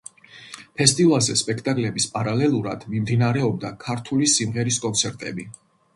ფესტივალზე სპექტაკლების პარალელურად, მიმდინარეობდა ქართული სიმღერის კონცერტები.